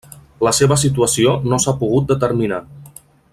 La seva situació no s'ha pogut determinar.